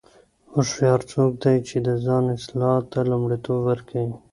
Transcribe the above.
هوښیار څوک دی چې د ځان اصلاح ته لومړیتوب ورکوي.